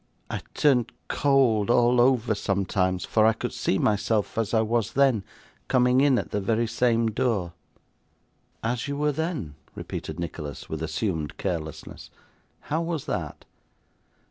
I turned cold all over sometimes, for I could see myself as I was then, coming in at the very same door.' 'As you were then,' repeated Nicholas, with assumed carelessness; 'how was that?